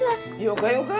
よかよか。